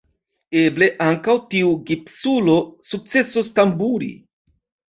Eble, ankaŭ tiu gipsulo sukcesos tamburi.